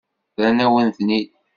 Rran-awen-ten-id.